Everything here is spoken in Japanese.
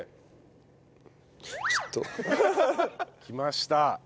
きました！